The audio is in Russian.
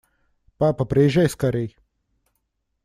Папа, приезжай скорей!